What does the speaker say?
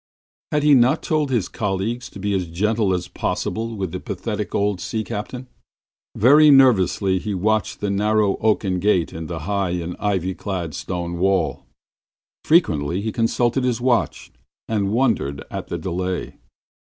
Had he not told his colleagues to be as gentle as possible with the pathetic old sea captain? Very nervously he watched that narrow oaken gate in the high and ivy clad stone wall. Frequently he consulted his watch, and wondered at the delay.